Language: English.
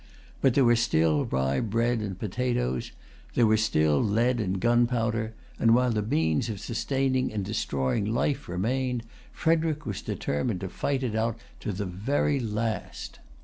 But there were still rye bread and potatoes; there were still lead and gunpowder; and, while the means of sustaining and destroying life remained, Frederic was determined to fight it out to the very last.